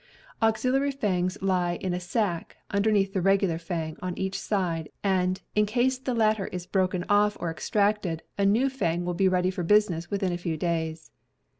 Auxiliary fangs lie in a sac underneath the regular fang on each side, and, in case the latter is broken off or extracted, a new fang will be ready for business within a few days.